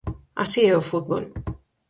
Así é o fútbol.